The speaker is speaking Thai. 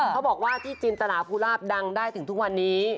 เขาบอกว่าที่จินตนาภูลาภดังได้ถึงทุกวันนี้